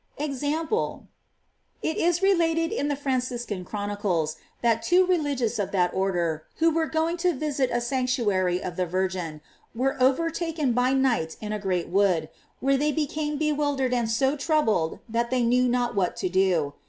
"EXAMPLE. It is related in the Franciscan chronicles, that two religious of that order, who were going to visit a sanctuary of the Virgin, were overtaken by night in a great wood, where they became be wildered and so troubled that they knew not what to do.